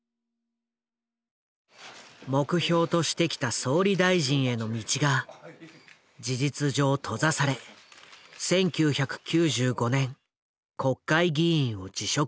目標としてきた総理大臣への道が事実上閉ざされ１９９５年国会議員を辞職する。